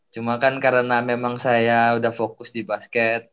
cuma kan karena memang saya udah fokus di basket